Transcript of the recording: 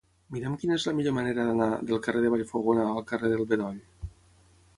Mira'm quina és la millor manera d'anar del carrer de Vallfogona al carrer del Bedoll.